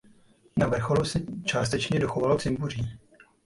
Na vrcholu se částečně dochovalo cimbuří.